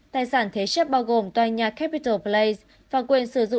tài sản thế chấp bao gồm tòa nhà capital place